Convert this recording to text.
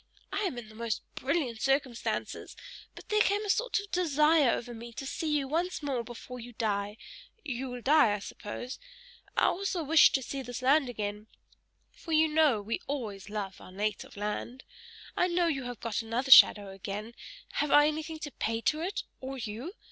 I am in the most brilliant circumstances, but there came a sort of desire over me to see you once more before you die; you will die, I suppose? I also wished to see this land again for you know we always love our native land. I know you have got another shadow again; have I anything to pay to it or you?